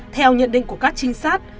theo nhận định của các trinh sát